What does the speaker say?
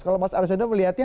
kalau mas arsena melihatnya